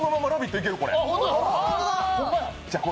いける、これ。